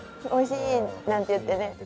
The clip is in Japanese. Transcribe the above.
「おいしい」なんて言ってね。